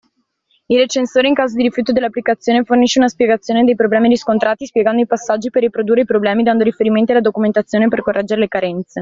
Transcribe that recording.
Il recensore in caso di rifiuto dell’applicazione fornisce una spiegazione dei problemi riscontrati, spiegando i passaggi per riprodurre i problemi dando riferimenti alla documentazione per correggere le carenze.